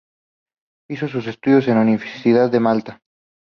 Hizo sus estudios en la Universidad de Malta.